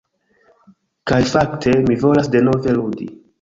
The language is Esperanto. Kaj fakte, mi volas denove ludi!